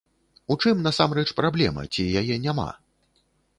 У чым насамрэч праблема, ці яе няма?